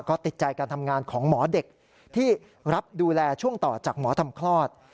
ก็ติดใจการทำงานของหมอเด็กที่รับดูแลช่วงต่อจากหมอทำคลอด